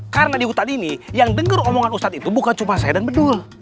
karena di hutan ini yang denger omongan ustadz itu bukan cuma saya dan bedul